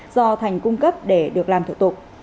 do thành cung cấp để được làm thủ tục